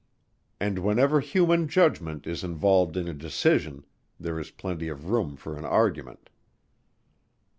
And whenever human judgment is involved in a decision, there is plenty of room for an argument.